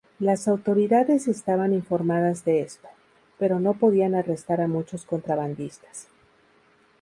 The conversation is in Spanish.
Las autoridades estaban informadas de esto, pero no podían arrestar a muchos contrabandistas.